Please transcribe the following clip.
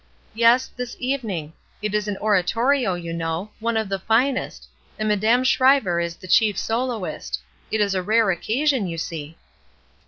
''Yes, this evening. It is an Oratorio, you know. One of the finest; and Madame Schryver is the chief soloist. It is a rare occa sion, you see."